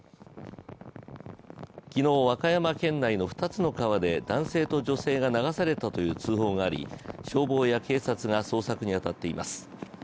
昨日、和歌山県内の２つの川で男性と女性が流されたという通報があり消防や警察が捜索に当たっています。